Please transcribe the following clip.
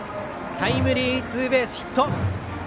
タイムリーツーベースヒット。